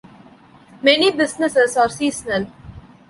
Many businesses are seasonal.